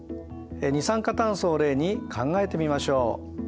二酸化炭素を例に考えてみましょう。